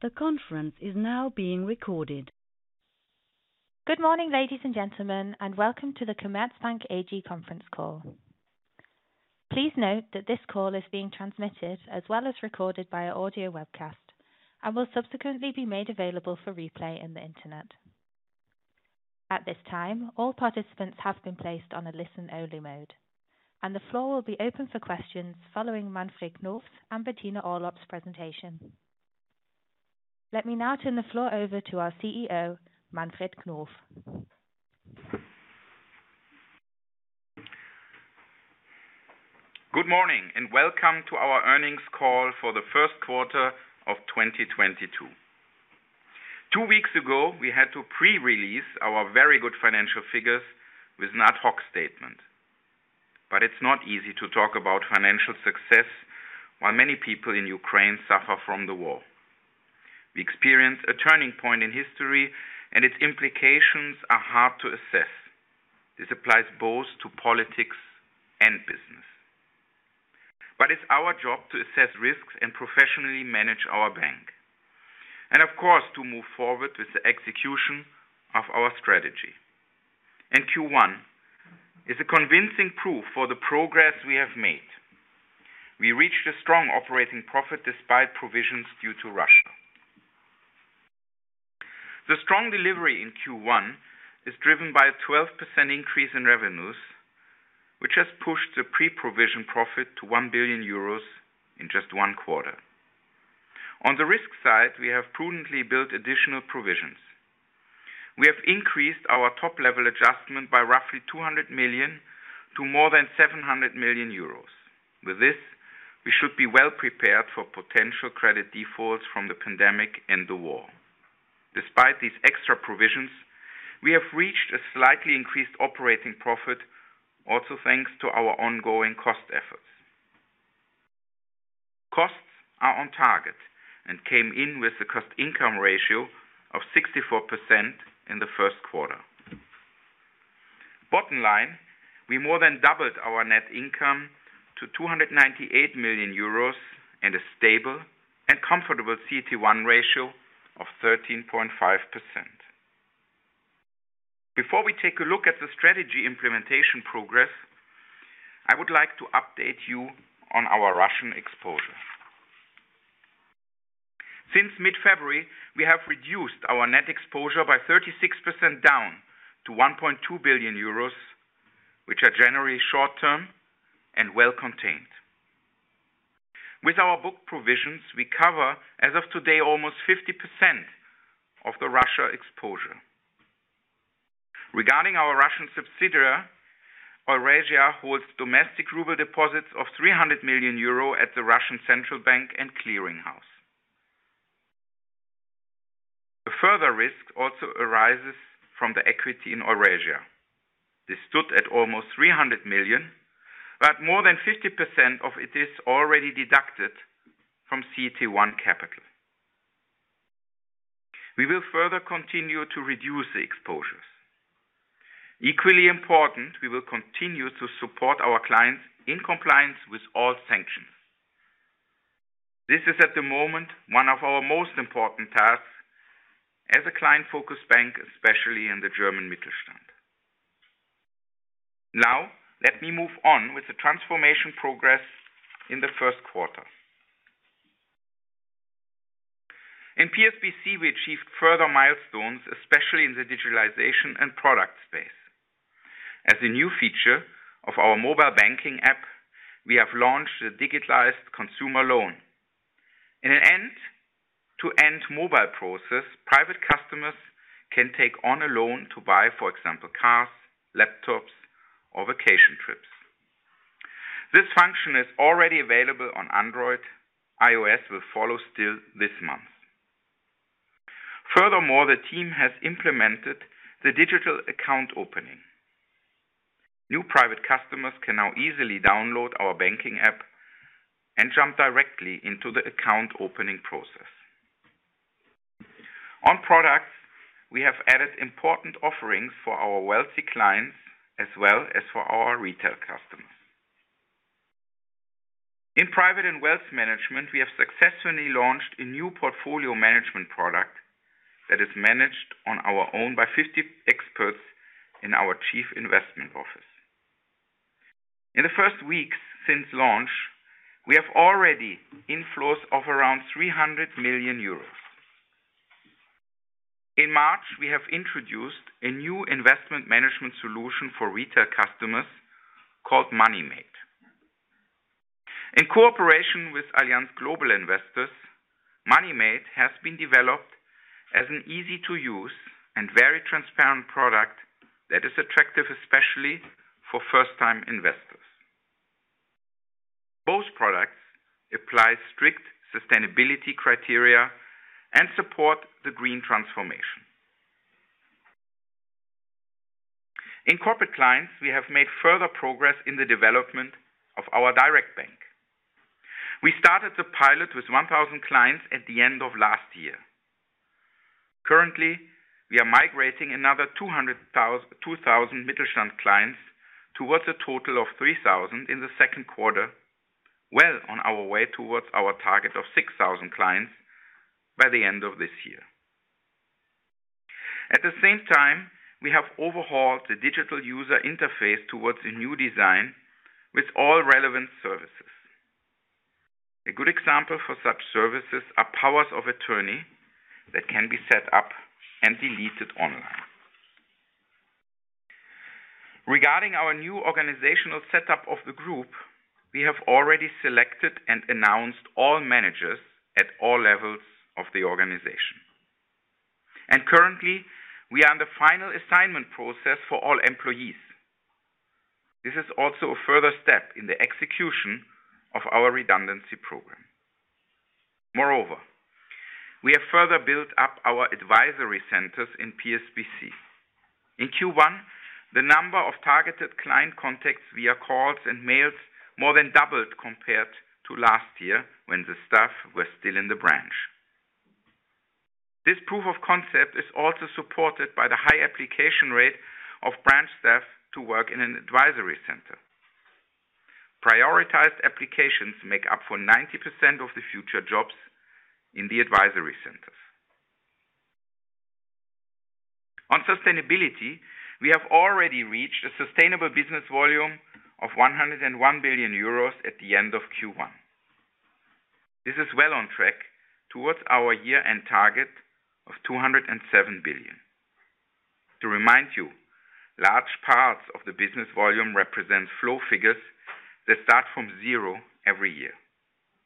The conference is now being recorded. Good morning, ladies and gentlemen, and welcome to the Commerzbank AG conference call. Please note that this call is being transmitted as well as recorded via audio webcast and will subsequently be made available for replay on the internet. At this time, all participants have been placed on a listen-only mode, and the floor will be open for questions following Manfred Knof and Bettina Orlopp's presentation. Let me now turn the floor over to our CEO, Manfred Knof. Good morning and welcome to our earnings call for the first quarter of 2022. Two weeks ago, we had to pre-release our very good financial figures with an ad hoc statement. It's not easy to talk about financial success while many people in Ukraine suffer from the war. We experience a turning point in history, and its implications are hard to assess. This applies both to politics and business. It's our job to assess risks and professionally manage our bank. Of course, to move forward with the execution of our strategy. Q1 is a convincing proof for the progress we have made. We reached a strong operating profit despite provisions due to Russia. The strong delivery in Q1 is driven by a 12% increase in revenues, which has pushed the pre-provision profit to 1 billion euros in just one quarter. On the risk side, we have prudently built additional provisions. We have increased our top-level adjustment by roughly 200 million to more than 700 million euros. With this, we should be well prepared for potential credit defaults from the pandemic and the war. Despite these extra provisions, we have reached a slightly increased operating profit, also thanks to our ongoing cost efforts. Costs are on target and came in with a cost-to-income ratio of 64% in the first quarter. Bottom line, we more than doubled our net income to 298 million euros and a stable and comfortable CET1 ratio of 13.5%. Before we take a look at the strategy implementation progress, I would like to update you on our Russian exposure. Since mid-February, we have reduced our net exposure by 36% down to 1.2 billion euros, which are generally short term and well contained. With our book provisions, we cover, as of today, almost 50% of the Russia exposure. Regarding our Russian subsidiary, Eurasia holds domestic ruble deposits of 300 million euro at the Russian Central Bank and clearing house. The further risk also arises from the equity in Eurasia. This stood at almost 300 million, but more than 50% of it is already deducted from CET1 capital. We will further continue to reduce the exposures. Equally important, we will continue to support our clients in compliance with all sanctions. This is at the moment one of our most important tasks as a client-focused bank, especially in the German Mittelstand. Now let me move on with the transformation progress in the first quarter. In PSBC, we achieved further milestones, especially in the digitalization and product space. As a new feature of our mobile banking app, we have launched a digitalized consumer loan. In an end-to-end mobile process, private customers can take on a loan to buy, for example, cars, laptops or vacation trips. This function is already available on Android. iOS will follow still this month. Furthermore, the team has implemented the digital account opening. New private customers can now easily download our banking app and jump directly into the account opening process. On products, we have added important offerings for our wealthy clients as well as for our retail customers. In private and wealth management, we have successfully launched a new portfolio management product that is managed on our own by 50 experts in our chief investment office. In the first weeks since launch, we have already inflows of around 300 million euros. In March, we have introduced a new investment management solution for retail customers called Money Mate. In cooperation with Allianz Global Investors, Money Mate has been developed as an easy-to-use and very transparent product that is attractive especially for first-time investors. Both products apply strict sustainability criteria and support the green transformation. In corporate clients, we have made further progress in the development of our direct bank. We started the pilot with 1,000 clients at the end of last year. Currently, we are migrating another 2,000 Mittelstand clients towards a total of 3,000 in the second quarter, well on our way towards our target of 6,000 clients by the end of this year. At the same time, we have overhauled the digital user interface towards a new design with all relevant services. A good example for such services are powers of attorney that can be set up and deleted online. Regarding our new organizational setup of the group, we have already selected and announced all managers at all levels of the organization. Currently, we are in the final assignment process for all employees. This is also a further step in the execution of our redundancy program. Moreover, we have further built up our advisory centers in PSBC. In Q1, the number of targeted client contacts via calls and mails more than doubled compared to last year when the staff were still in the branch. This proof of concept is also supported by the high application rate of branch staff to work in an advisory center. Prioritized applications make up for 90% of the future jobs in the advisory centers. On sustainability, we have already reached a sustainable business volume of 101 billion euros at the end of Q1. This is well on track towards our year-end target of 207 billion. To remind you, large parts of the business volume represents flow figures that start from zero every year.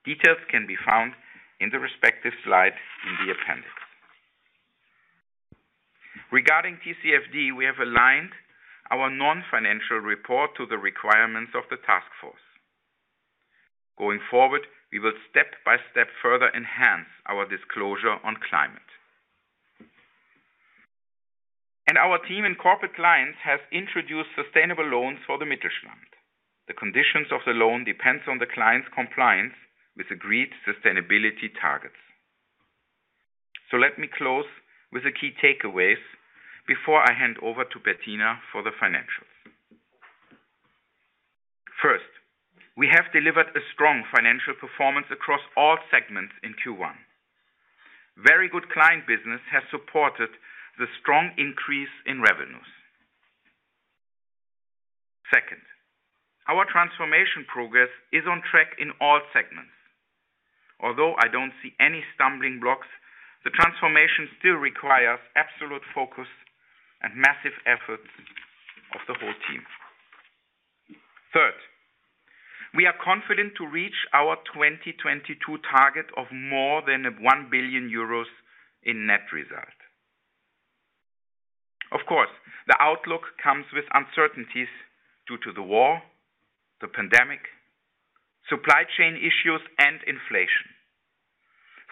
Details can be found in the respective slide in the appendix. Regarding TCFD, we have aligned our non-financial report to the requirements of the task force. Going forward, we will step by step further enhance our disclosure on climate. Our team in Corporate Clients has introduced sustainable loans for the Mittelstand. The conditions of the loan depends on the client's compliance with agreed sustainability targets. Let me close with the key takeaways before I hand over to Bettina for the financials. First, we have delivered a strong financial performance across all segments in Q1. Very good client business has supported the strong increase in revenues. Second, our transformation progress is on track in all segments. Although I don't see any stumbling blocks, the transformation still requires absolute focus and massive efforts of the whole team. Third, we are confident to reach our 2022 target of more than 1 billion euros in net result. Of course, the outlook comes with uncertainties due to the war, the pandemic, supply chain issues, and inflation.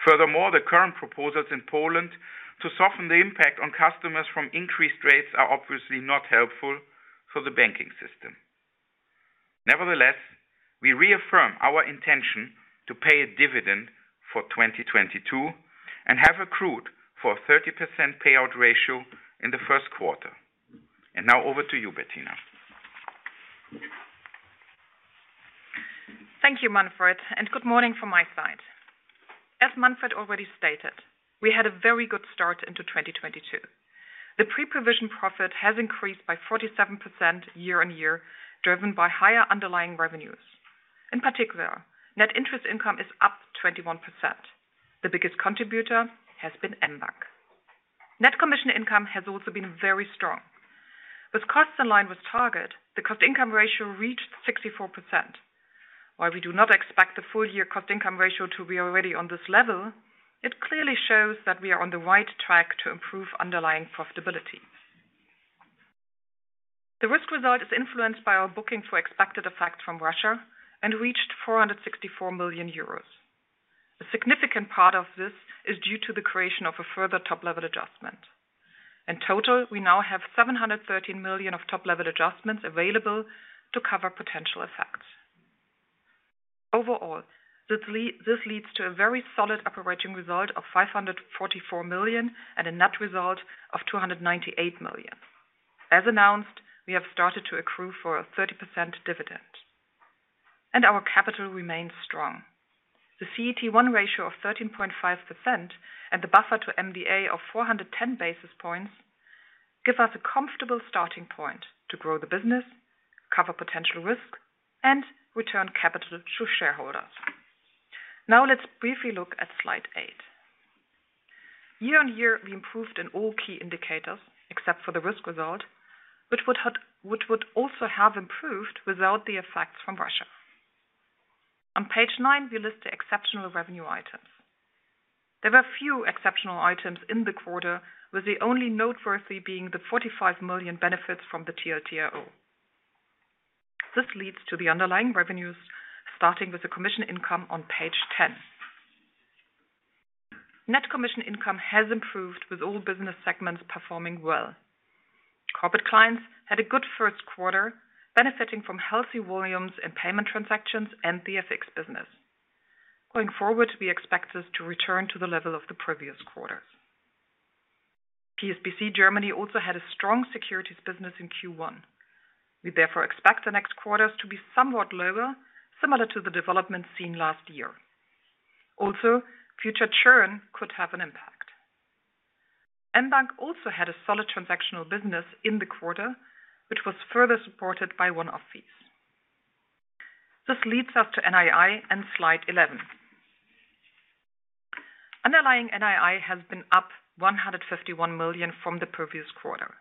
Furthermore, the current proposals in Poland to soften the impact on customers from increased rates are obviously not helpful for the banking system. Nevertheless, we reaffirm our intention to pay a dividend for 2022 and have accrued for a 30% payout ratio in the first quarter. Now over to you, Bettina. Thank you, Manfred, and good morning from my side. As Manfred already stated, we had a very good start into 2022. The pre-provision profit has increased by 47% year-on-year, driven by higher underlying revenues. In particular, net interest income is up 21%. The biggest contributor has been mBank. Net commission income has also been very strong. With costs in line with target, the cost-to-income ratio reached 64%. While we do not expect the full year cost-to-income ratio to be already on this level, it clearly shows that we are on the right track to improve underlying profitability. The risk result is influenced by our booking for expected effects from Russia and reached 464 million euros. A significant part of this is due to the creation of a further top-level adjustment. In total, we now have 713 million of top-level adjustments available to cover potential effects. Overall, this leads to a very solid operating result of 544 million and a net result of 298 million. As announced, we have started to accrue for a 30% dividend. Our capital remains strong. The CET1 ratio of 13.5% and the buffer to MDA of 410 basis points give us a comfortable starting point to grow the business, cover potential risks, and return capital to shareholders. Now let's briefly look at slide 8. Year-on-year, we improved in all key indicators except for the risk result, which would also have improved without the effects from Russia. On page 9, we list the exceptional revenue items. There were few exceptional items in the quarter, with the only noteworthy being the 45 million benefits from the TLTRO. This leads to the underlying revenues, starting with the commission income on page 10. Net commission income has improved with all business segments performing well. Corporate Clients had a good first quarter benefiting from healthy volumes and payment transactions and the FX business. Going forward, we expect this to return to the level of the previous quarters. PSBC Germany also had a strong securities business in Q1. We therefore expect the next quarters to be somewhat lower, similar to the development seen last year. Also, future churn could have an impact. mBank also had a solid transactional business in the quarter, which was further supported by one-off fees. This leads us to NII and slide 11. Underlying NII has been up 151 million from the previous quarter.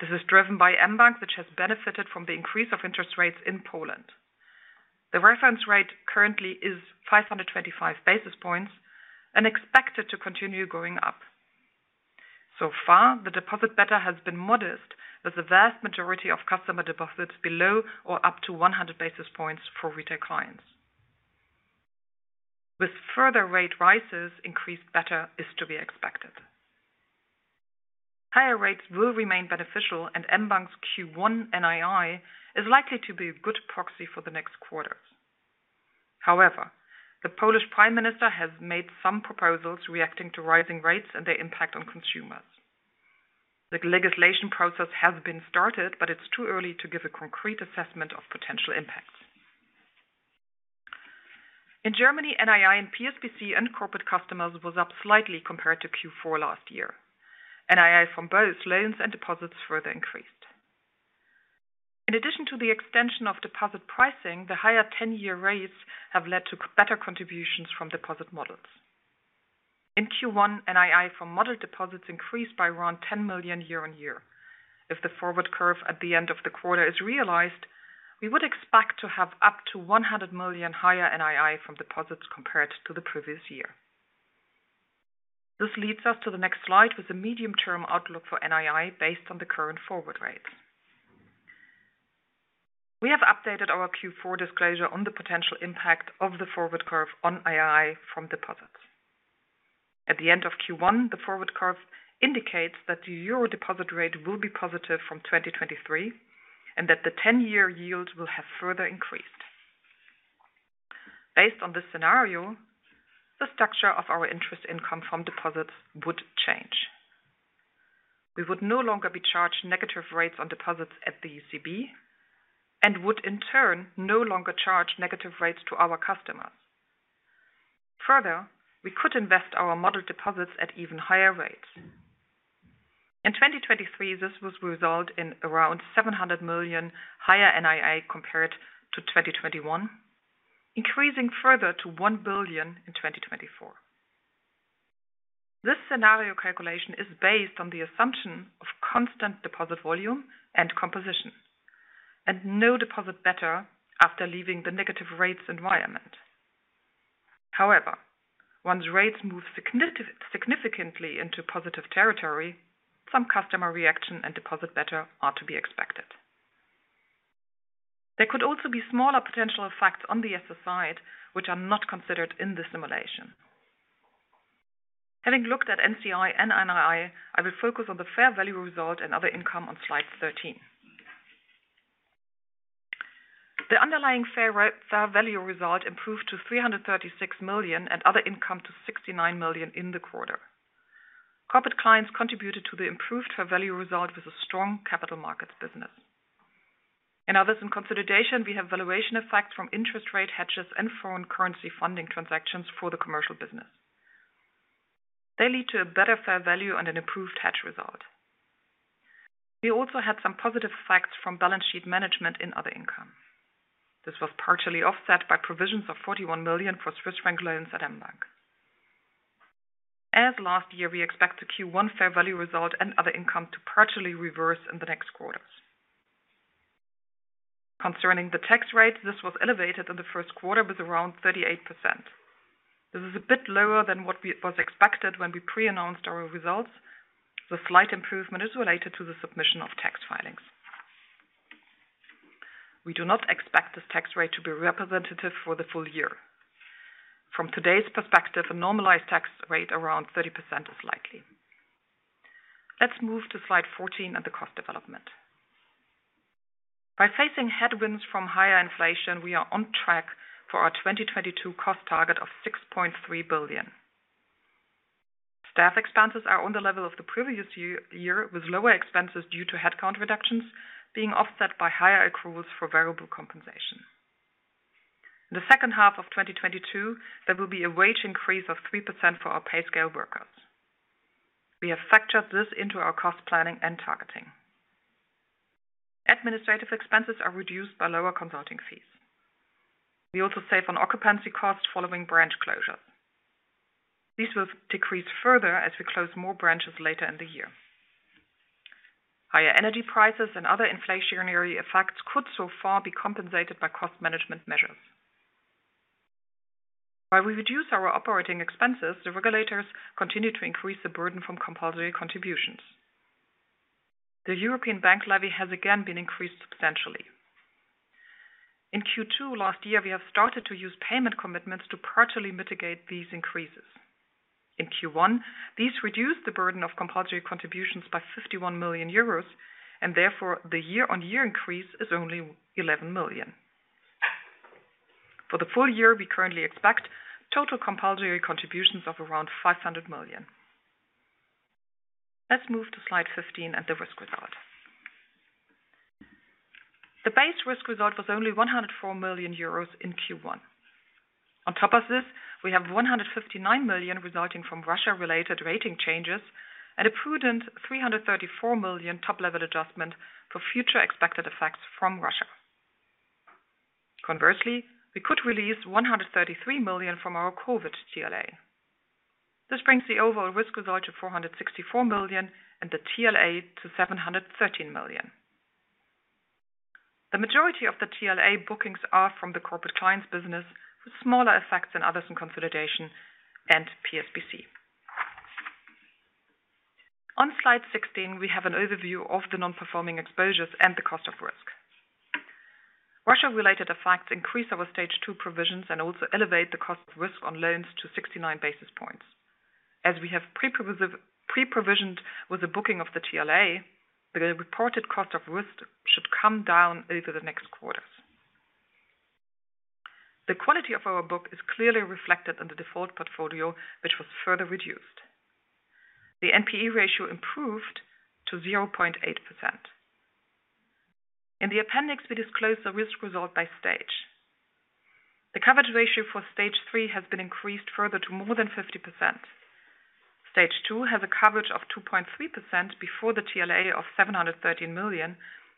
This is driven by mBank, which has benefited from the increase of interest rates in Poland. The reference rate currently is 525 basis points and expected to continue going up. So far, the deposit beta has been modest, with the vast majority of customer deposits below or up to 100 basis points for retail clients. With further rate rises, increased beta is to be expected. Higher rates will remain beneficial and mBank's Q1 NII is likely to be a good proxy for the next quarters. However, the Polish Prime Minister has made some proposals reacting to rising rates and their impact on consumers. The legislation process has been started, but it's too early to give a concrete assessment of potential impacts. In Germany, NII and PSBC and Corporate Clients was up slightly compared to Q4 last year. NII from both loans and deposits further increased. In addition to the extension of deposit pricing, the higher ten-year rates have led to better contributions from deposit models. In Q1, NII from model deposits increased by around 10 million year-on-year. If the forward curve at the end of the quarter is realized, we would expect to have up to 100 million higher NII from deposits compared to the previous year. This leads us to the next slide with the medium-term outlook for NII based on the current forward rates. We have updated our Q4 disclosure on the potential impact of the forward curve on NII from deposits. At the end of Q1, the forward curve indicates that the euro deposit rate will be positive from 2023 and that the ten-year yield will have further increased. Based on this scenario, the structure of our interest income from deposits would change. We would no longer be charged negative rates on deposits at the ECB and would in turn no longer charge negative rates to our customers. Further, we could invest our model deposits at even higher rates. In 2023, this will result in around 700 million higher NII compared to 2021, increasing further to 1 billion in 2024. This scenario calculation is based on the assumption of constant deposit volume and composition and no deposit beta after leaving the negative rates environment. However, once rates move significantly into positive territory, some customer reaction and deposit beta are to be expected. There could also be smaller potential effects on the SSI, which are not considered in the simulation. Having looked at NCI and NII, I will focus on the fair value result and other income on slide 13. The underlying fair value result improved to 336 million and other income to 69 million in the quarter. Corporate Clients contributed to the improved fair value result with a strong capital markets business. In others in consolidation, we have valuation effects from interest rate hedges and foreign currency funding transactions for the commercial business. They lead to a better fair value and an improved hedge result. We also had some positive effects from balance sheet management in other income. This was partially offset by provisions of 41 million for Swiss franc loans at mBank. As last year, we expect the Q1 fair value result and other income to partially reverse in the next quarters. Concerning the tax rate, this was elevated in the first quarter with around 38%. This is a bit lower than what was expected when we pre-announced our results. The slight improvement is related to the submission of tax filings. We do not expect this tax rate to be representative for the full year. From today's perspective, a normalized tax rate around 30% is likely. Let's move to slide 14 and the cost development. By facing headwinds from higher inflation, we are on track for our 2022 cost target of 6.3 billion. Staff expenses are on the level of the previous year, with lower expenses due to headcount reductions being offset by higher accruals for variable compensation. In the second half of 2022, there will be a wage increase of 3% for our pay scale workers. We have factored this into our cost planning and targeting. Administrative expenses are reduced by lower consulting fees. We also save on occupancy costs following branch closures. This will decrease further as we close more branches later in the year. Higher energy prices and other inflationary effects could so far be compensated by cost management measures. While we reduce our operating expenses, the regulators continue to increase the burden from compulsory contributions. The European bank levy has again been increased substantially. In Q2 last year, we have started to use payment commitments to partially mitigate these increases. In Q1, these reduced the burden of compulsory contributions by 51 million euros and therefore the year-on-year increase is only 11 million. For the full year, we currently expect total compulsory contributions of around 500 million. Let's move to slide 15 at the risk result. The base risk result was only 104 million euros in Q1. On top of this, we have 159 million resulting from Russia-related rating changes at a prudent 334 million top-level adjustment for future expected effects from Russia. Conversely, we could release 133 million from our COVID TLA. This brings the overall risk result to 464 million and the TLA to 713 million. The majority of the TLA bookings are from the Corporate Clients business with smaller effects than others in consolidation and PSBC. On slide 16, we have an overview of the non-performing exposures and the cost of risk. Russia-related effects increase our stage two provisions and also elevate the cost of risk on loans to 69 basis points. As we have pre-provisioned with the booking of the TLA, the reported cost of risk should come down over the next quarters. The quality of our book is clearly reflected in the default portfolio, which was further reduced. The NPE ratio improved to 0.8%. In the appendix, we disclose the risk result by stage. The coverage ratio for stage three has been increased further to more than 50%. Stage two has a coverage of 2.3% before the TLA of 713 million,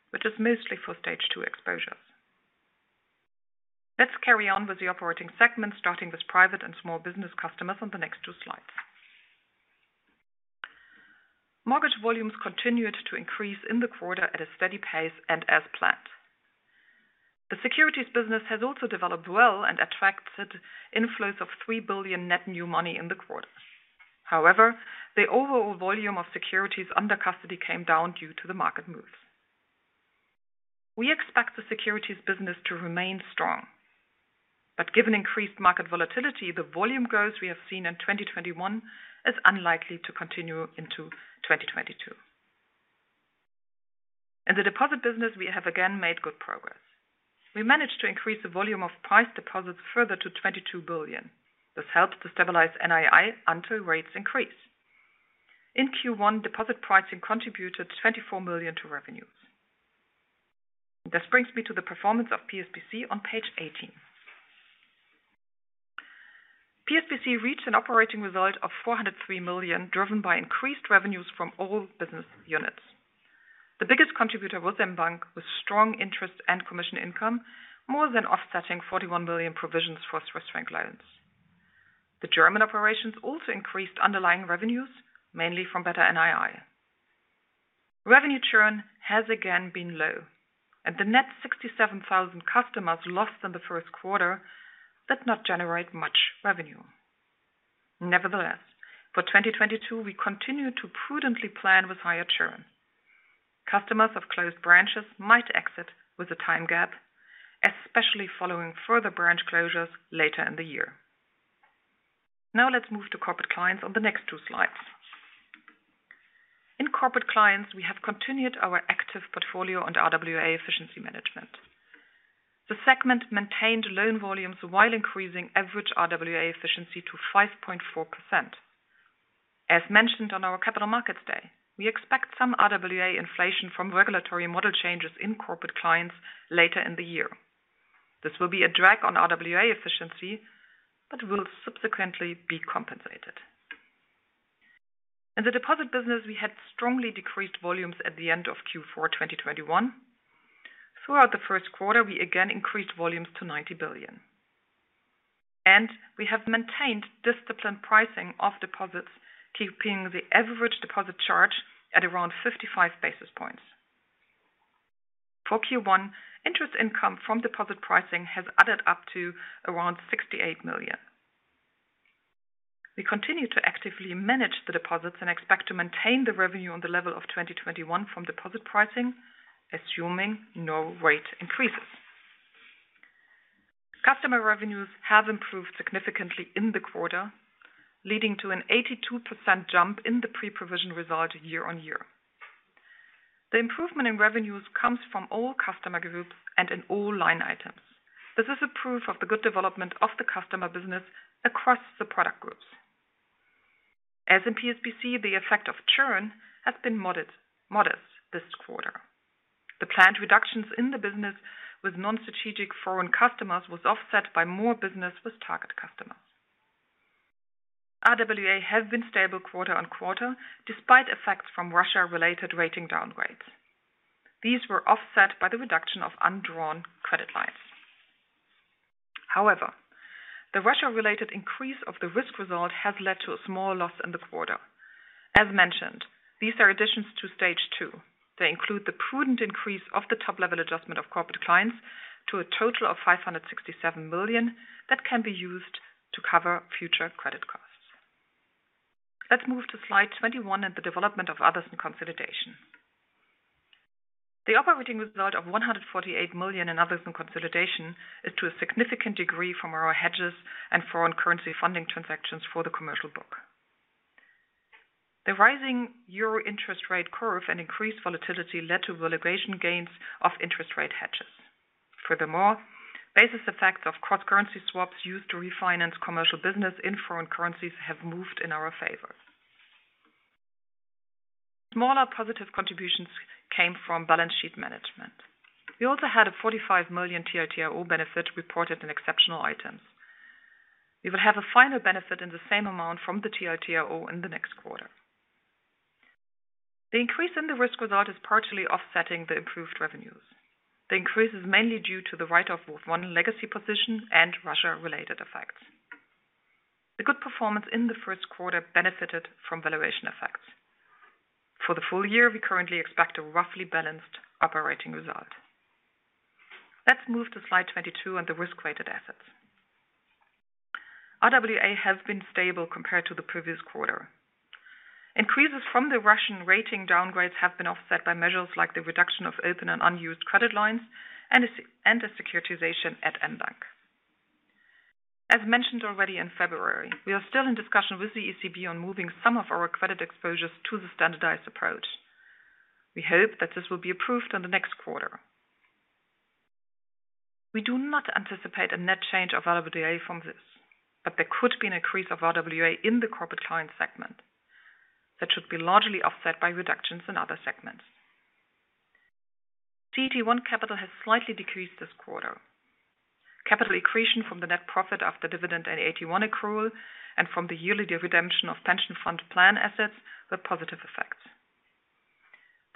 which is mostly for stage two exposures. Let's carry on with the operating segments starting with private and small business customers on the next two slides. Mortgage volumes continued to increase in the quarter at a steady pace and as planned. The securities business has also developed well and attracted inflows of 3 billion net new money in the quarter. However, the overall volume of securities under custody came down due to the market moves. We expect the securities business to remain strong. Given increased market volatility, the volume growth we have seen in 2021 is unlikely to continue into 2022. In the deposit business, we have again made good progress. We managed to increase the volume of priced deposits further to 22 billion. This helps to stabilize NII until rates increase. In Q1, deposit pricing contributed 24 million to revenues. This brings me to the performance of PSBC on page 18. PSBC reached an operating result of 403 million, driven by increased revenues from all business units. The biggest contributor was mBank, with strong interest and commission income more than offsetting 41 million provisions for Swiss franc loans. The German operations also increased underlying revenues, mainly from better NII. Revenue churn has again been low, and the net 67,000 customers lost in the first quarter did not generate much revenue. Nevertheless, for 2022, we continue to prudently plan with higher churn. Customers of closed branches might exit with a time gap, especially following further branch closures later in the year. Now let's move to Corporate Clients on the next two slides. In Corporate Clients, we have continued our active portfolio and RWA efficiency management. The segment maintained loan volumes while increasing average RWA efficiency to 5.4%. As mentioned on our capital markets day, we expect some RWA inflation from regulatory model changes in Corporate Clients later in the year. This will be a drag on RWA efficiency, but will subsequently be compensated. In the deposit business, we had strongly decreased volumes at the end of Q4 2021. Throughout the first quarter, we again increased volumes to 90 billion. We have maintained disciplined pricing of deposits, keeping the average deposit charge at around 55 basis points. For Q1, interest income from deposit pricing has added up to around 68 million. We continue to actively manage the deposits and expect to maintain the revenue on the level of 2021 from deposit pricing, assuming no rate increases. Customer revenues have improved significantly in the quarter, leading to an 82% jump in the pre-provision result year-on-year. The improvement in revenues comes from all customer groups and in all line items. This is a proof of the good development of the customer business across the product groups. As in PSBC, the effect of churn has been modest this quarter. The planned reductions in the business with non-strategic foreign customers was offset by more business with target customers. RWA have been stable quarter-on-quarter despite effects from Russia-related rating downgrades. These were offset by the reduction of undrawn credit lines. However, the Russia-related increase of the risk result has led to a small loss in the quarter. As mentioned, these are additions to stage two. They include the prudent increase of the top-level adjustment of Corporate Clients to a total of 567 million that can be used to cover future credit costs. Let's move to slide 21 and the development of others and consolidation. The operating result of 148 million in others and consolidation is to a significant degree from our hedges and foreign currency funding transactions for the commercial book. The rising euro interest rate curve and increased volatility led to realization gains of interest rate hedges. Furthermore, basis effects of cross currency swaps used to refinance commercial business in foreign currencies have moved in our favor. Smaller positive contributions came from balance sheet management. We also had a 45 million TLTRO benefit reported in exceptional items. We will have a final benefit in the same amount from the TLTRO in the next quarter. The increase in the risk result is partially offsetting the improved revenues. The increase is mainly due to the write-off of one legacy position and Russia-related effects. The good performance in the first quarter benefited from valuation effects. For the full year, we currently expect a roughly balanced operating result. Let's move to slide 22 and the risk-weighted assets. RWA has been stable compared to the previous quarter. Increases from the Russian rating downgrades have been offset by measures like the reduction of open and unused credit lines and the securitization at mBank. As mentioned already in February, we are still in discussion with the ECB on moving some of our credit exposures to the standardized approach. We hope that this will be approved in the next quarter. We do not anticipate a net change of RWA from this, but there could be an increase of RWA in the Corporate Clients segment that should be largely offset by reductions in other segments. CET1 capital has slightly decreased this quarter. Capital accretion from the net profit after dividend and AT1 accrual and from the yearly redemption of pension fund plan assets were positive effects.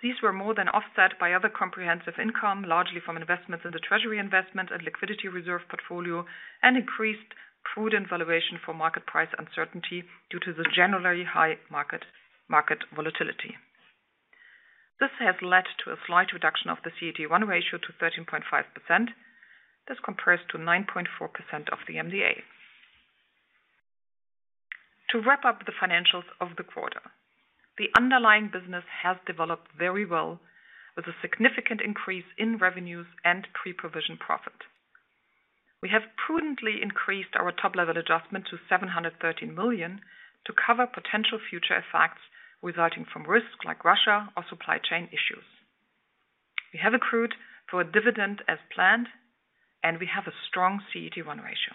These were more than offset by other comprehensive income, largely from investments in the treasury investment and liquidity reserve portfolio, and increased prudent valuation for market price uncertainty due to the January high market volatility. This has led to a slight reduction of the CET1 ratio to 13.5%. This compares to 9.4% of the MDA. To wrap up the financials of the quarter, the underlying business has developed very well with a significant increase in revenues and pre-provision profit. We have prudently increased our top level adjustment to 713 million to cover potential future effects resulting from risks like Russia or supply chain issues. We have accrued for a dividend as planned and we have a strong CET1 ratio.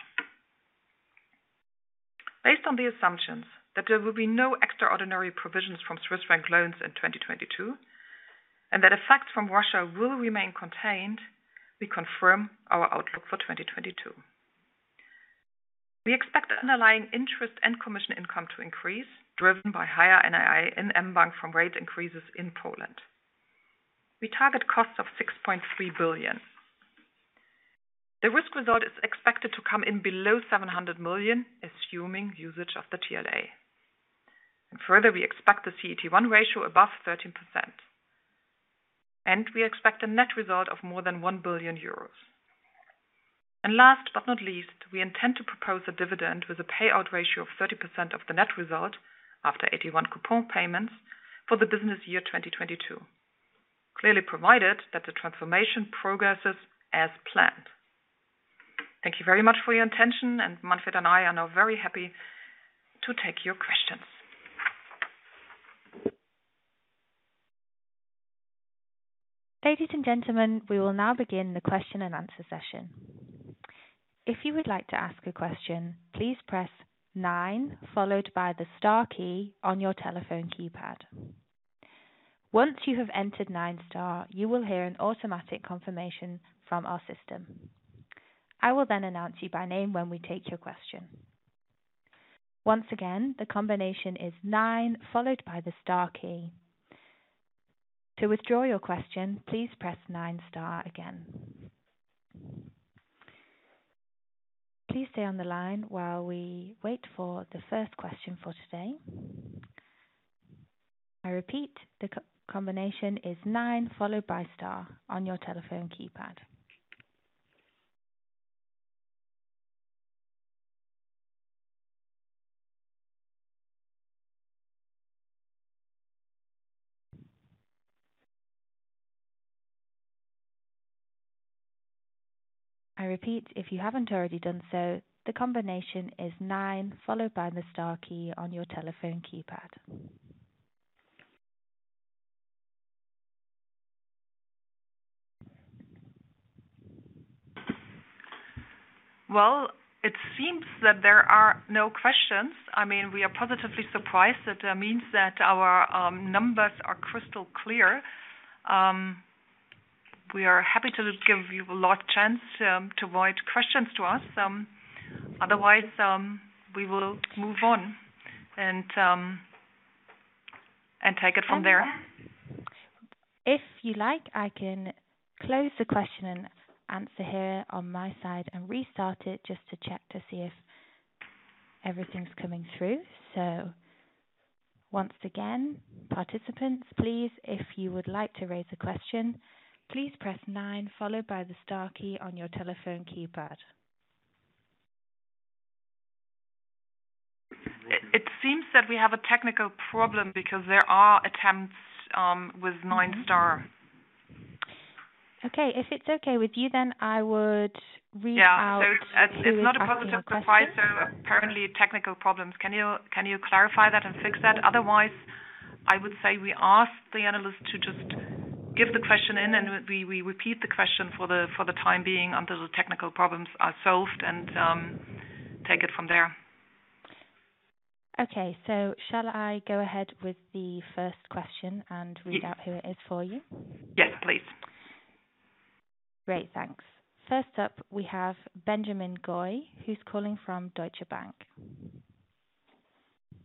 Based on the assumptions that there will be no extraordinary provisions from Swiss franc loans in 2022 and that effects from Russia will remain contained, we confirm our outlook for 2022. We expect underlying interest and commission income to increase driven by higher NII and mBank from rate increases in Poland. We target costs of 6.3 billion. The risk result is expected to come in below 700 million assuming usage of the TLA. Further, we expect the CET1 ratio above 13%, and we expect a net result of more than 1 billion euros. Last but not least, we intend to propose a dividend with a payout ratio of 30% of the net result after AT1 coupon payments for the business year 2022. Clearly provided that the transformation progresses as planned. Thank you very much for your attention and Manfred and I are now very happy to take your questions. Ladies and gentlemen, we will now begin the question and answer session. If you would like to ask a question, please press nine followed by the star key on your telephone keypad. Once you have entered nine star, you will hear an automatic confirmation from our system. I will then announce you by name when we take your question. Once again, the combination is nine followed by the star key. To withdraw your question, please press nine star again. Please stay on the line while we wait for the first question for today. I repeat, the combination is nine followed by star on your telephone keypad. I repeat, if you haven't already done so, the combination is nine followed by the star key on your telephone keypad. Well, it seems that there are no questions. I mean, we are positively surprised that that means that our numbers are crystal clear. We are happy to give you another chance to write questions to us. Otherwise, we will move on and take it from there. If you like, I can close the question and answer here on my side and restart it just to check to see if everything's coming through. Once again, participants, please, if you would like to raise a question, please press nine followed by the star key on your telephone keypad. It seems that we have a technical problem because there are attempts with Nine Star. Okay. If it's okay with you, then I would read out. Yeah. Who is asking the question. It's not a positive surprise, so apparently technical problems. Can you clarify that and fix that? Otherwise, I would say we ask the analyst to just give the question in, and we repeat the question for the time being until the technical problems are solved and take it from there. Okay. Shall I go ahead with the first question and read out who it is for you? Yes, please. Great. Thanks. First up, we have Benjamin Goy, who's calling from Deutsche Bank.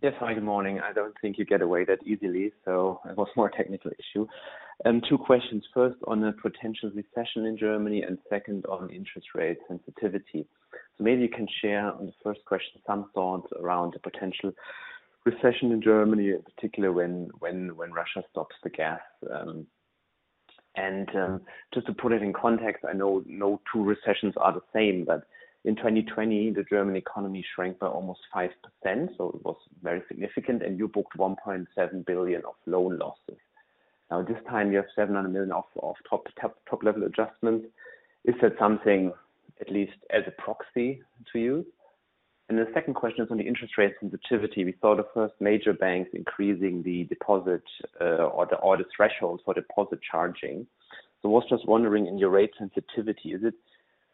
Yes. Hi, good morning. I don't think you get away that easily. It was more technical issue. Two questions. First, on a potential recession in Germany and second on interest rate sensitivity. Maybe you can share on the first question some thoughts around the potential recession in Germany, in particular when Russia stops the gas. Just to put it in context, I know no two recessions are the same, but in 2020, the German economy shrank by almost 5%, so it was very significant and you booked 1.7 billion of loan losses. Now this time you have 700 million of top level adjustments. Is that something at least as a proxy to you? And the second question is on the interest rate sensitivity. We saw the first major banks increasing the deposit or the threshold for deposit charging. I was just wondering, in your rate sensitivity, is it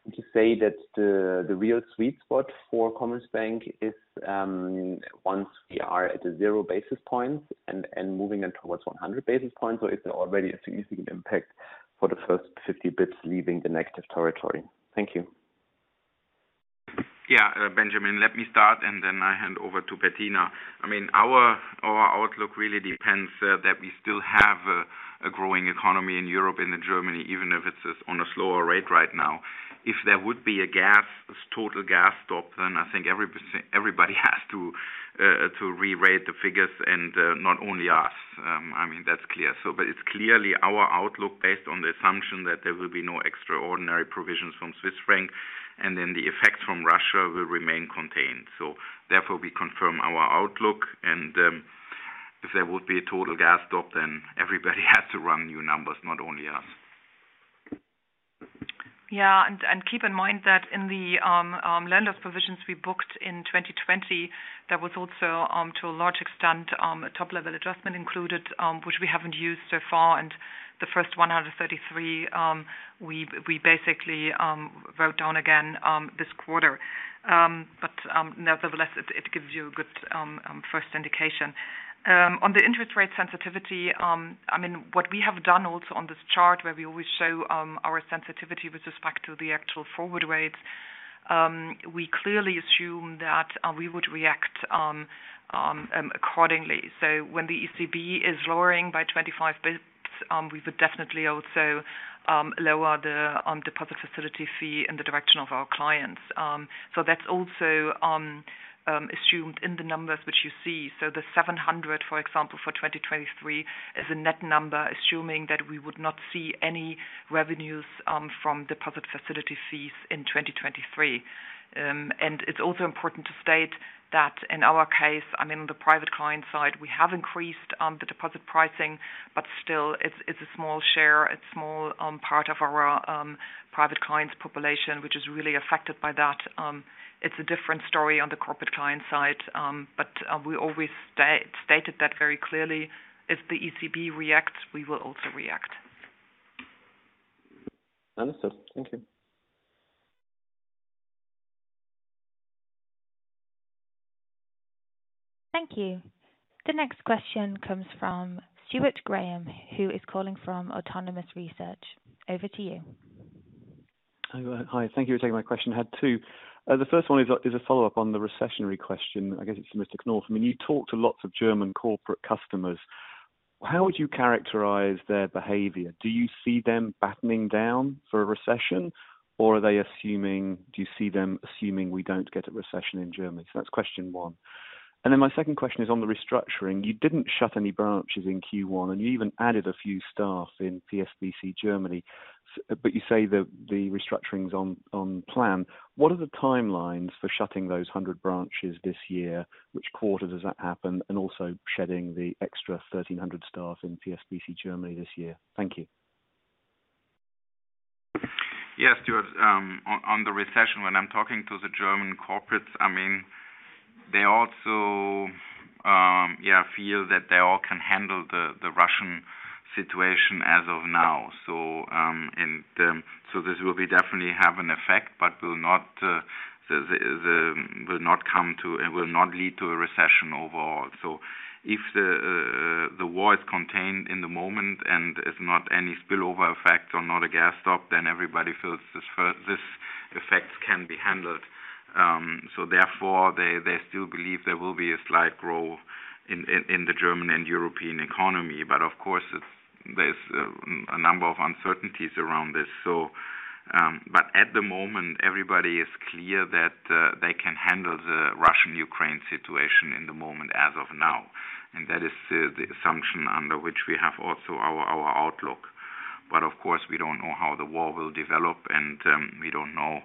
safe to say that the real sweet spot for Commerzbank is once we are at 0 basis points and moving in towards 100 basis points, or is there already a significant impact for the first 50 basis points leaving the negative territory? Thank you. Yeah. Benjamin, let me start and then I hand over to Bettina. I mean, our outlook really depends that we still have a growing economy in Europe and in Germany, even if it's on a slower rate right now. If there would be a total gas stop, then I think everybody has to rerate the figures and not only us. I mean, that's clear. It's clearly our outlook based on the assumption that there will be no extraordinary provisions from Swiss franc, and then the effects from Russia will remain contained. Therefore, we confirm our outlook and if there would be a total gas stop, then everybody has to run new numbers, not only us. Keep in mind that in the loan loss provisions we booked in 2020, there was also to a large extent a top level adjustment included, which we haven't used so far. The first 133 million we basically wrote down again this quarter. Nevertheless, it gives you a good first indication. On the interest rate sensitivity, I mean, what we have done also on this chart where we always show our sensitivity with respect to the actual forward rates, we clearly assume that we would react accordingly. When the ECB is lowering by 25 basis points, we would definitely also lower the deposit facility rate in the direction of our clients. That's also assumed in the numbers which you see. The 700, for example, for 2023 is a net number, assuming that we would not see any revenues from deposit facility fees in 2023. It's also important to state that in our case, I mean, the private client side, we have increased the deposit pricing, but still it's a small share. It's small part of our private clients population, which is really affected by that. It's a different story on the corporate client side. We always stated that very clearly. If the ECB reacts, we will also react. Understood. Thank you. Thank you. The next question comes from Stuart Graham, who is calling from Autonomous Research. Over to you. Hi. Thank you for taking my question. I had two. The first one is a follow-up on the recessionary question. I guess it's for Mr. Knof. I mean, you talk to lots of German corporate customers. How would you characterize their behavior? Do you see them battening down for a recession, or are they assuming we don't get a recession in Germany? That's question one. Then my second question is on the restructuring. You didn't shut any branches in Q1, and you even added a few staff in PSBC Germany, but you say the restructuring's on plan. What are the timelines for shutting those 100 branches this year? Which quarter does that happen? And also shedding the extra 1,300 staff in PSBC Germany this year. Thank you. Yeah, Stuart. On the recession, when I'm talking to the German corporates, I mean, they also feel that they all can handle the Russian situation as of now. This will definitely have an effect, but will not lead to a recession overall. If the war is contained at the moment and is not any spillover effect or not a gas stop, then everybody feels this effect can be handled. Therefore, they still believe there will be a slight growth in the German and European economy. Of course, there are a number of uncertainties around this. At the moment, everybody is clear that under the Russia-Ukraine situation in the moment as of now, and that is the assumption under which we have also our outlook. Of course, we don't know how the war will develop, and we don't know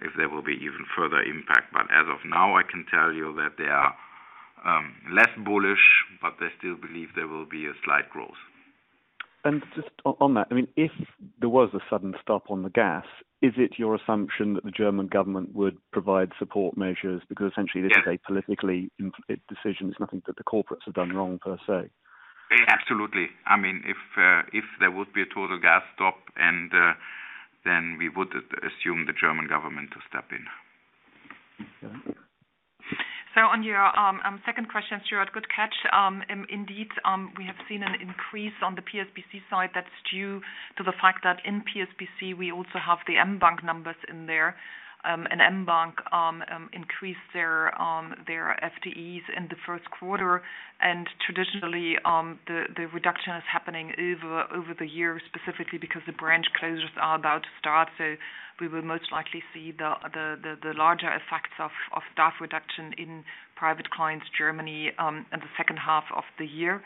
if there will be even further impact. As of now, I can tell you that they are less bullish, but they still believe there will be a slight growth. Just on that, I mean, if there was a sudden stop on the gas, is it your assumption that the German government would provide support measures because essentially? Yes. This is a political decision. It's nothing that the corporates have done wrong per se. Absolutely. I mean, if there would be a total gas stop and then we would assume the German government to step in. Okay. On your second question, Stuart, good catch. Indeed, we have seen an increase on the PSBC side that's due to the fact that in PSBC, we also have the mBank numbers in there. mBank increased their FTEs in the first quarter. Traditionally, the reduction is happening over the years, specifically because the branch closures are about to start. We will most likely see the larger effects of staff reduction in Private Clients Germany in the second half of the year.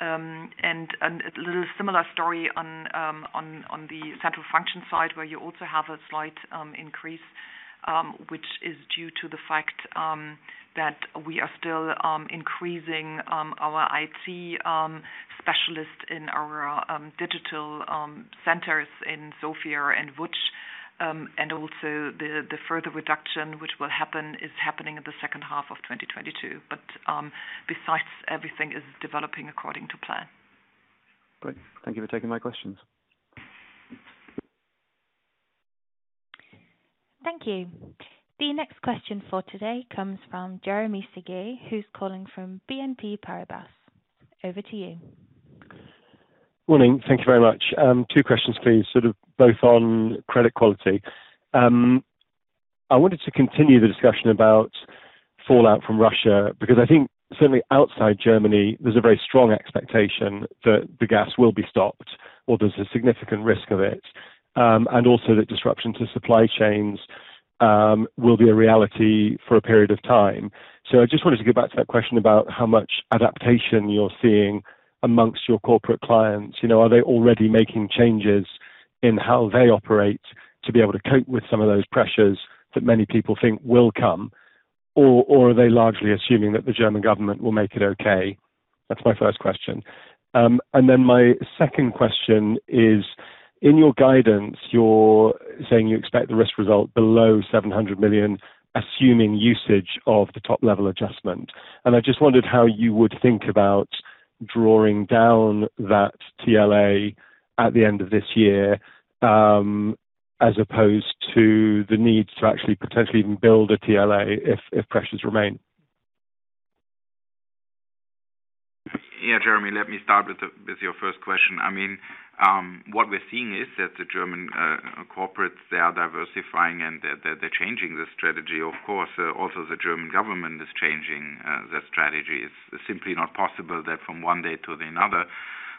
A little similar story on the central function side, where you also have a slight increase, which is due to the fact that we are still increasing our IT specialists in our digital centers in Sofia, and also the further reduction which will happen is happening in the second half of 2022. Besides everything is developing according to plan. Great. Thank you for taking my questions. Thank you. The next question for today comes from Jeremy Sigee, who's calling from BNP Paribas. Over to you. Morning. Thank you very much. Two questions please, sort of both on credit quality. I wanted to continue the discussion about fallout from Russia, because I think certainly outside Germany, there's a very strong expectation that the gas will be stopped or there's a significant risk of it, and also the disruption to supply chains, will be a reality for a period of time. I just wanted to go back to that question about how much adaptation you're seeing among your corporate clients. You know, are they already making changes in how they operate to be able to cope with some of those pressures that many people think will come? Or are they largely assuming that the German government will make it okay? That's my first question. My second question is, in your guidance, you're saying you expect the risk result below 700 million, assuming usage of the top level adjustment. I just wondered how you would think about drawing down that TLA at the end of this year, as opposed to the need to actually potentially even build a TLA if pressures remain. Yeah, Jeremy, let me start with your first question. I mean, what we're seeing is that the German corporates, they are diversifying and they're changing the strategy. Of course, also the German government is changing their strategy. It's simply not possible that from one day to the another,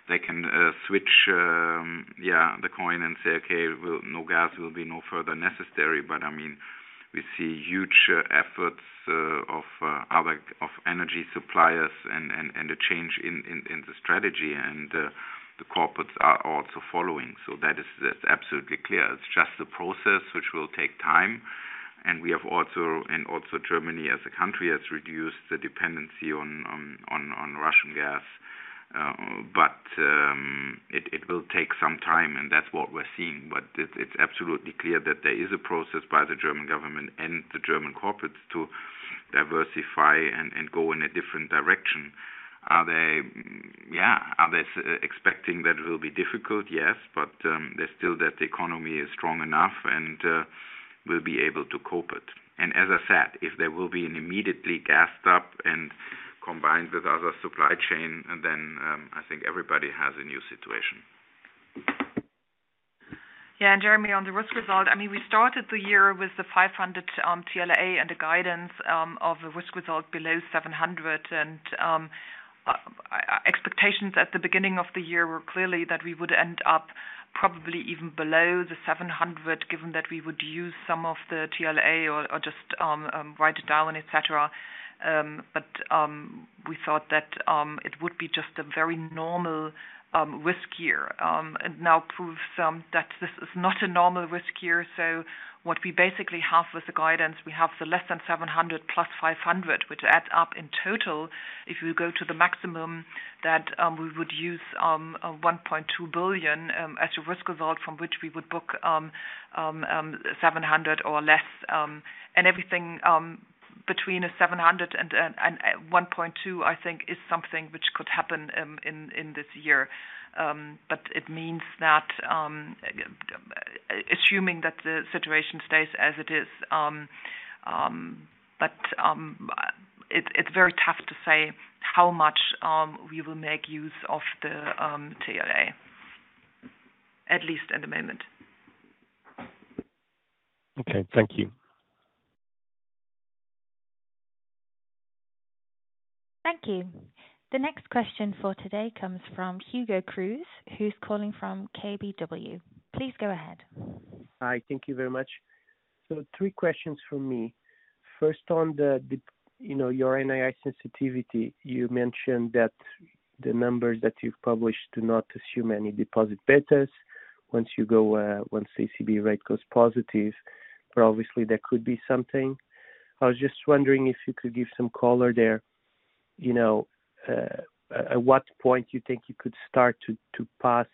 they can switch the coin and say, "Okay, well, no gas will be no further necessary." I mean, we see huge efforts of other energy suppliers and a change in the strategy. The corporates are also following. That is just absolutely clear. It's just a process which will take time. Germany as a country has reduced the dependency on Russian gas. It will take some time, and that's what we're seeing. It's absolutely clear that there is a process by the German government and the German corporates to diversify and go in a different direction. Are they expecting that it will be difficult? Yes. They're still that the economy is strong enough and will be able to cope it. As I said, if there will be an immediate gas stop and combined with other supply chain, and then I think everybody has a new situation. Yeah. Jeremy, on the risk result, I mean, we started the year with the 500 TLA and the guidance of a risk result below 700. Expectations at the beginning of the year were clearly that we would end up probably even below the 700, given that we would use some of the TLA or just write it down, et cetera. We thought that it would be just a very normal risk year. It now proves that this is not a normal risk year. What we basically have with the guidance, we have less than 700 + 500, which adds up in total, if you go to the maximum that we would use, 1.2 billion, as a risk result from which we would book 700 or less, and everything between 700 and 1.2 billion, I think is something which could happen in this year. It means that, assuming that the situation stays as it is, it's very tough to say how much we will make use of the TLA, at least at the moment. Okay. Thank you. Thank you. The next question for today comes from Hugo Cruz, who's calling from KBW. Please go ahead. Hi. Thank you very much. Three questions from me. First, on your NII sensitivity, you mentioned that the numbers that you've published do not assume any deposit betas once ECB rate goes positive, but obviously there could be something. I was just wondering if you could give some color there, at what point you think you could start to pass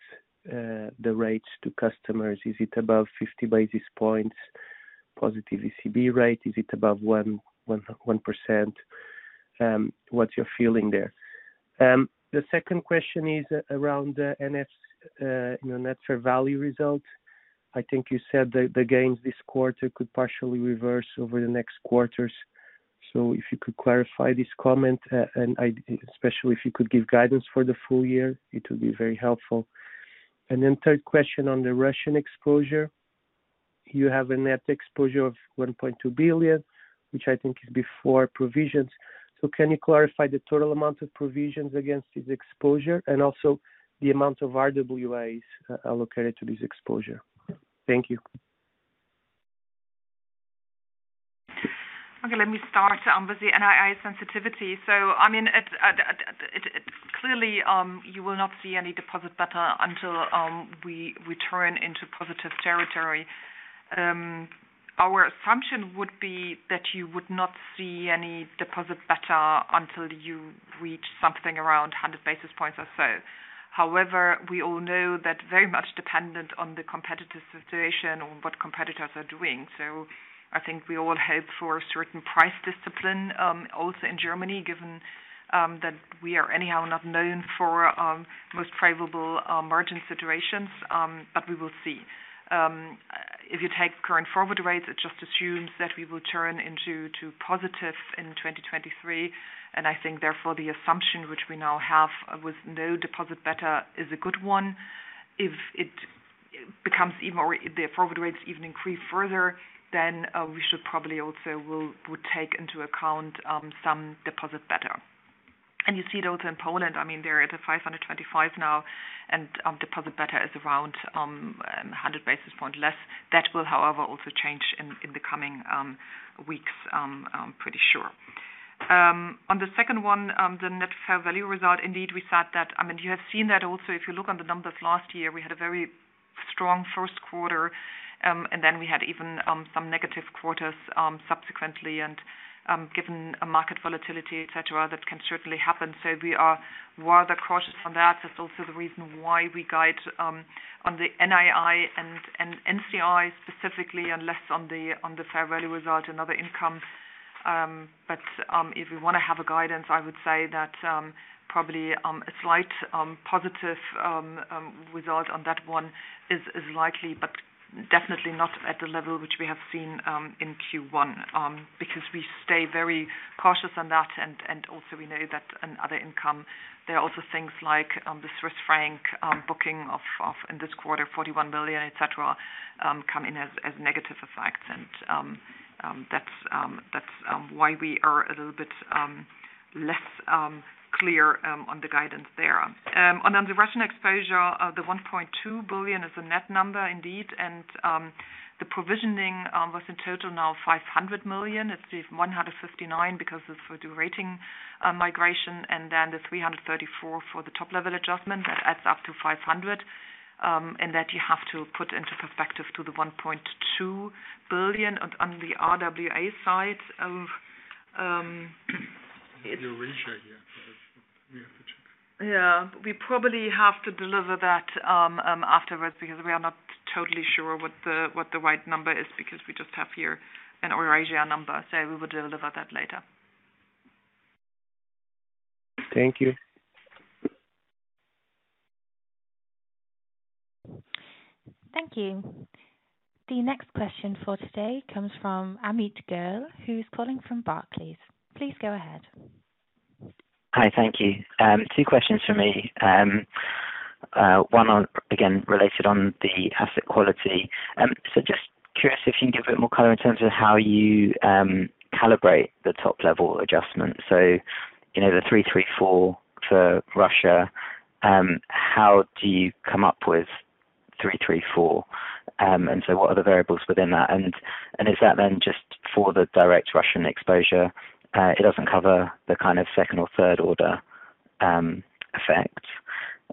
the rates to customers. Is it above 50 basis points positive ECB rate? Is it above 1%? What's your feeling there? The second question is around the NF, net fair value result. I think you said the gains this quarter could partially reverse over the next quarters. If you could clarify this comment, and especially if you could give guidance for the full year, it would be very helpful. Third question on the Russian exposure, you have a net exposure of 1.2 billion, which I think is before provisions. Can you clarify the total amount of provisions against this exposure and also the amount of RWAs allocated to this exposure? Thank you. Okay, let me start with the NII sensitivity. I mean, it's clearly you will not see any deposit beta until we turn into positive territory. Our assumption would be that you would not see any deposit beta until you reach something around 100 basis points or so. However, we all know that very much dependent on the competitor situation or what competitors are doing. I think we all hope for a certain price discipline also in Germany, given that we are anyhow not known for most favorable margin situations, but we will see. If you take current forward rates, it just assumes that we will turn into positive in 2023, and I think therefore the assumption which we now have with no deposit beta is a good one. If the forward rates even increase further, then we should probably also would take into account some deposit beta. You see those in Poland. I mean, they're at 525 now and deposit beta is around 100 basis points less. That will, however, also change in the coming weeks, I'm pretty sure. On the second one, the net fair value result, indeed we thought that. I mean, you have seen that also, if you look at the numbers last year, we had a very strong first quarter and then we even had some negative quarters subsequently. Given a market volatility, et cetera, that can certainly happen. We are rather cautious on that. That's also the reason why we guide on the NII and NCI specifically and less on the fair value result and other income. If we wanna have a guidance, I would say that probably a slight positive result on that one is likely, but definitely not at the level which we have seen in Q1, because we stay very cautious on that, and also we know that in other income, there are also things like the Swiss franc booking of EUR 41 million in this quarter, et cetera, come in as negative effects. That's why we are a little bit less clear on the guidance there. On the Russian exposure, the 1.2 billion is a net number indeed. The provisioning was in total now 500 million. It's the 159 million because of the rating migration and then the 334 million for the top-level adjustment. That adds up to 500 million, and that you have to put into perspective to the 1.2 billion on the RWA side of it. The Eurasia here. We have to check. Yeah. We probably have to deliver that afterwards because we are not totally sure what the right number is because we just have here an Eurasia number. We will deliver that later. Thank you. Thank you. The next question for today comes from Amit Goel, who's calling from Barclays. Please go ahead. Hi. Thank you. Two questions from me. One on, again, related to the asset quality. Just curious if you can give a bit more color in terms of how you calibrate the top-level adjustment. You know, the 334 for Russia, how do you come up with 334? What are the variables within that? And is that then just for the direct Russian exposure? It doesn't cover the kind of second or third order effect.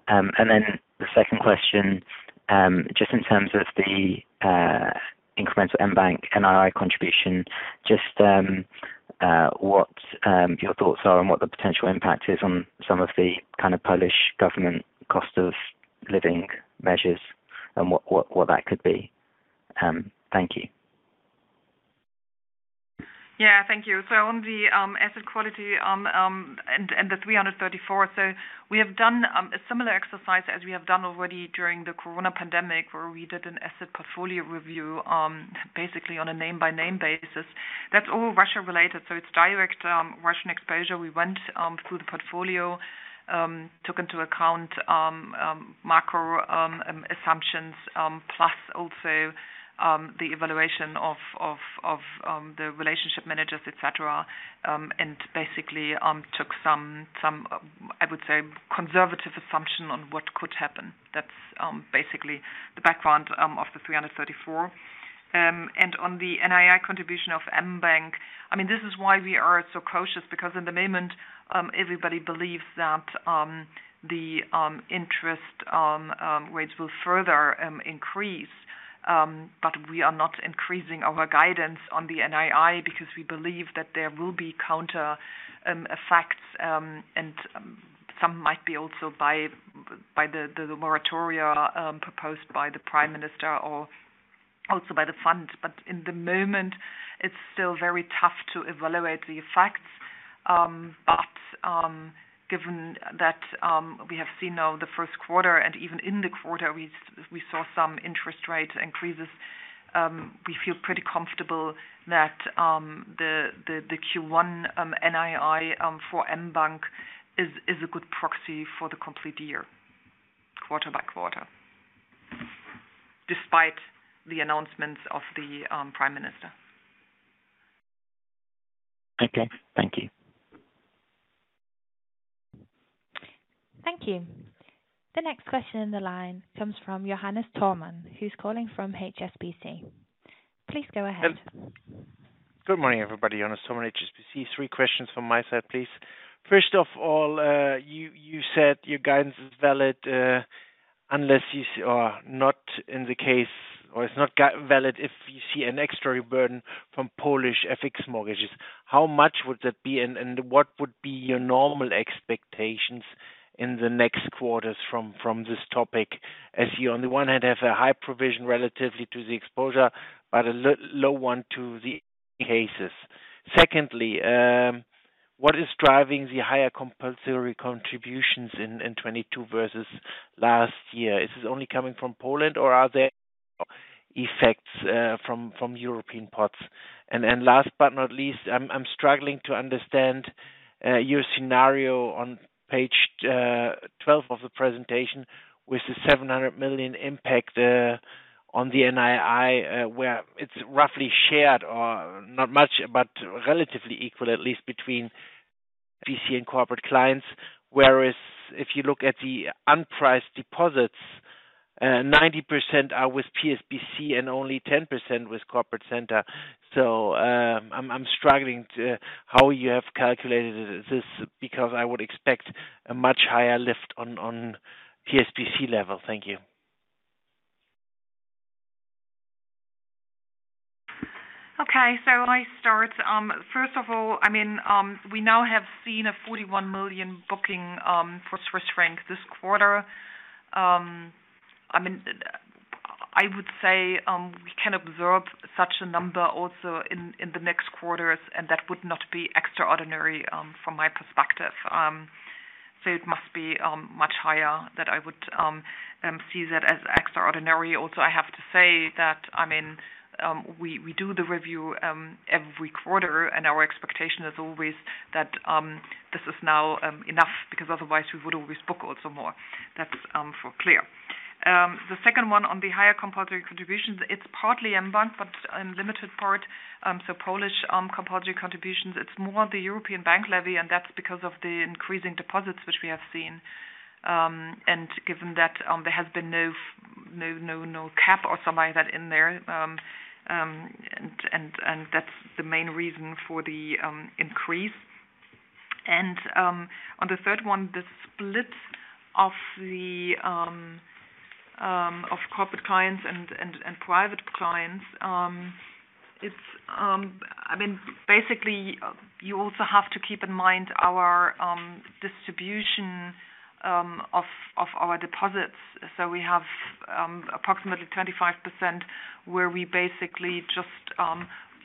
Then the second question, just in terms of the incremental mBank NII contribution, just what your thoughts are on what the potential impact is on some of the kind of Polish government cost of living measures and what that could be. Thank you. Thank you. On the asset quality and the 334 million, we have done a similar exercise as we have done already during the corona pandemic, where we did an asset portfolio review basically on a name-by-name basis. That's all Russia-related, so it's direct Russian exposure. We went through the portfolio, took into account macro assumptions plus also the evaluation of the relationship managers, et cetera, and basically took some I would say conservative assumption on what could happen. That's basically the background of the 334 million. On the NII contribution of mBank, I mean, this is why we are so cautious because in the moment everybody believes that the interest rates will further increase. We are not increasing our guidance on the NII because we believe that there will be counter effects, and some might be also by the moratoria proposed by the Prime Minister or also by the fund. In the moment, it's still very tough to evaluate the effects. Given that we have seen now the first quarter and even in the quarter we saw some interest rate increases, we feel pretty comfortable that the Q1 NII for mBank is a good proxy for the complete year, quarter by quarter, despite the announcements of the Prime Minister. Okay. Thank you. Thank you. The next question in the line comes from Johannes Thormann, who's calling from HSBC. Please go ahead. Good morning, everybody. Johannes Thormann, HSBC. Three questions from my side, please. First of all, you said your guidance is valid unless you see an extra burden from Polish FX mortgages. How much would that be? What would be your normal expectations in the next quarters from this topic, as you on the one hand have a high provision relatively to the exposure, but a low one to the cases? Secondly, what is driving the higher compulsory contributions in 2022 versus last year? Is this only coming from Poland or are there effects from European pots? Last but not least, I'm struggling to understand your scenario on page 12 of the presentation with the 700 million impact on the NII, where it's roughly shared or not much, but relatively equal, at least between PSBC and Corporate Clients. Whereas if you look at the unpriced deposits, 90% are with PSBC and only 10% with Corporate Clients. I'm struggling with how you have calculated this because I would expect a much higher lift on PSBC level. Thank you. Okay. I start. First of all, I mean, we now have seen a 41 million booking for Swiss franc this quarter. I mean, I would say, we can absorb such a number also in the next quarters, and that would not be extraordinary from my perspective. It must be much higher that I would see that as extraordinary. Also, I have to say that, I mean, we do the review every quarter, and our expectation is always that this is now enough because otherwise we would always book also more. That is clear. The second one on the higher compulsory contributions, it's partly mBank, but in limited part, so Polish compulsory contributions, it's more the European bank levy, and that's because of the increasing deposits which we have seen. Given that, there has been no cap or something like that in there, and that's the main reason for the increase. On the third one, the split of corporate clients and private clients. It's, I mean, basically, you also have to keep in mind our distribution of our deposits. We have approximately 25% where we basically just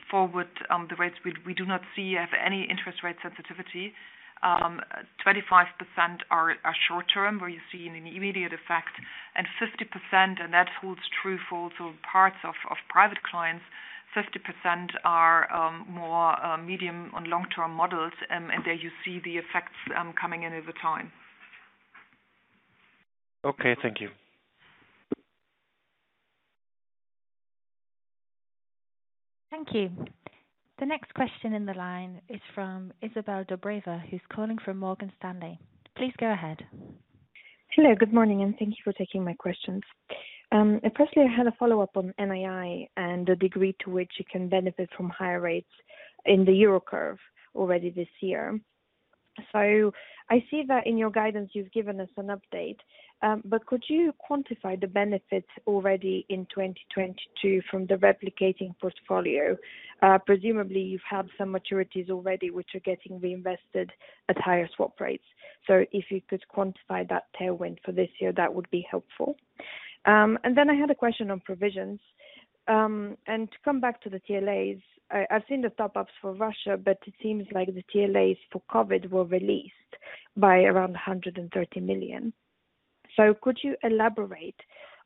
forward the rates. We do not have any interest rate sensitivity. 25% are short-term, where you see an immediate effect and 50%, and that holds true for also parts of private clients. 50% are more medium- to long-term models, and there you see the effects coming in over time. Okay, thank you. Thank you. The next question in the line is from Izabel Dobreva, who's calling from Morgan Stanley. Please go ahead. Hello, good morning, and thank you for taking my questions. Firstly, I had a follow-up on NII and the degree to which you can benefit from higher rates in the Euro curve already this year. I see that in your guidance, you've given us an update, but could you quantify the benefits already in 2022 from the replicating portfolio? Presumably, you've had some maturities already which are getting reinvested at higher swap rates. If you could quantify that tailwind for this year, that would be helpful. I had a question on provisions. To come back to the TLAs, I've seen the top-ups for Russia, but it seems like the TLAs for COVID were released by around 130 million. Could you elaborate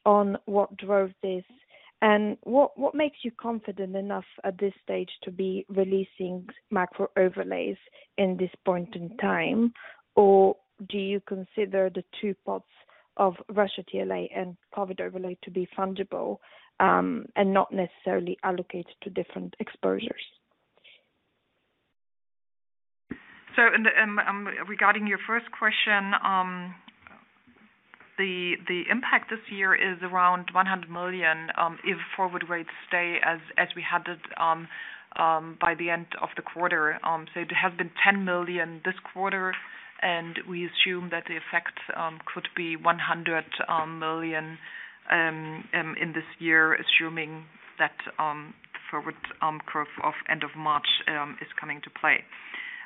on what drove this? What makes you confident enough at this stage to be releasing macro overlays in this point in time? Do you consider the two pots of Russia TLA and COVID overlay to be fundable, and not necessarily allocated to different exposures? In regard to your first question, the impact this year is around 100 million if forward rates stay as we had it by the end of the quarter. It has been 10 million this quarter, and we assume that the effect could be 100 million in this year, assuming that the forward curve of end of March is coming to play.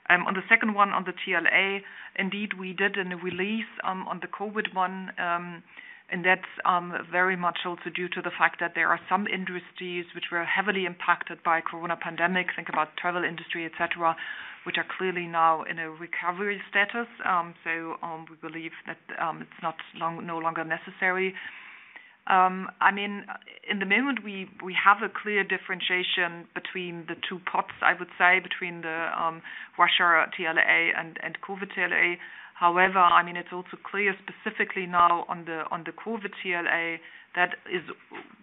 On the second one on the TLA, indeed, we did a release on the COVID one, and that's very much also due to the fact that there are some industries which were heavily impacted by COVID pandemic. Think about travel industry, et cetera, which are clearly now in a recovery status. We believe that it's no longer necessary. I mean, in the moment, we have a clear differentiation between the two pots, I would say, between the Russia TLA and COVID TLA. However, I mean, it's also clear specifically now on the COVID TLA that is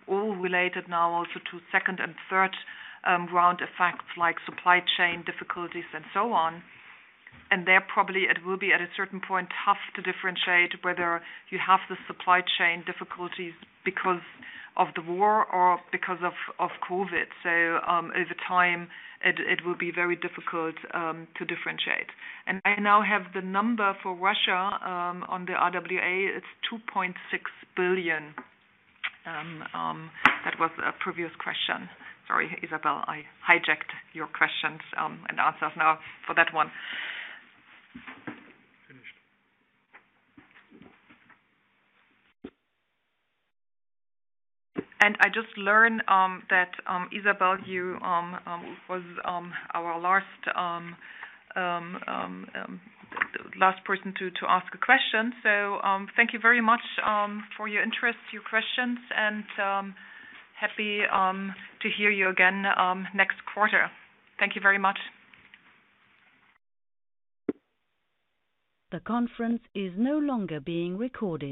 all related now also to second and third round effects like supply chain difficulties and so on. There probably it will be at a certain point tough to differentiate whether you have the supply chain difficulties because of the war or because of COVID. Over time, it will be very difficult to differentiate. I now have the number for Russia on the RWA, it's 2.6 billion. That was a previous question. Sorry, Izabel, I hijacked your questions and answers now for that one. Finished. I just learned that Izabel, you was our last person to ask a question. Thank you very much for your interest, your questions, and happy to hear you again next quarter. Thank you very much. The conference is no longer being recorded.